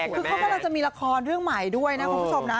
คือเขากำลังจะมีละครเรื่องใหม่ด้วยนะคุณผู้ชมนะ